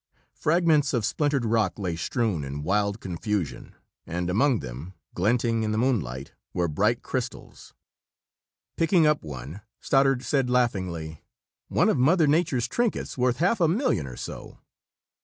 Fragments of splintered rock lay strewn in wild confusion and among them, glinting in the moonlight, were bright crystals. Picking up one, Stoddard said laughingly: "One of Mother Nature's trinkets worth half a million or so!"